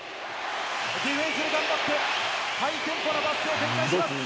ディフェンスで頑張ってハイテンポなパスを展開します。